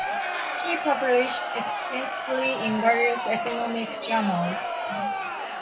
He published extensively in various economic journals.